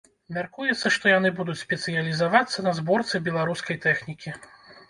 Мяркуецца, што яны будуць спецыялізавацца на зборцы беларускай тэхнікі.